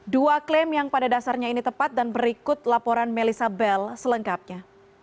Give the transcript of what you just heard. dua klaim yang pada dasarnya ini tepat dan berikut laporan melissabel selengkapnya